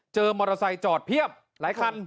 มอเตอร์ไซค์จอดเพียบหลายคัน